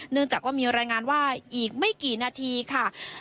จากว่ามีรายงานว่าอีกไม่กี่นาทีค่ะ